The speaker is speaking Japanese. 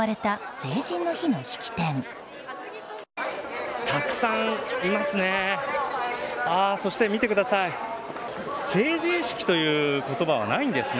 成人式という言葉はないんですね。